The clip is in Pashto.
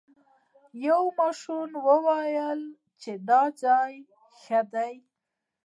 یو ماشوم وویل چې دا ځای ښه دی.